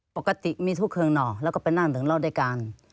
ปกติมีทุกเครื่องหน่อแล้วก็ไปนั่งดื่มเหล้าด้วยกัน